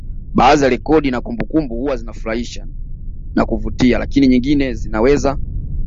Baadhi ya rekodi na kumbukumbu huwa zinafurahisha na kuvutia lakini nyingine zinaweza